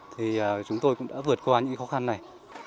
thì chúng tôi cũng đã vượt qua những khó khăn này